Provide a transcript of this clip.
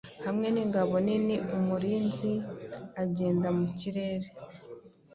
Hamwe ningabo niniumurinzi ugenda mu kirere